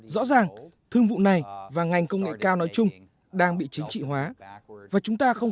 rõ ràng thương vụ này và ngành công nghệ cao nói chung đang bị chính trị hóa và chúng ta không